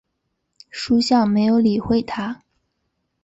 叔向没有理会他。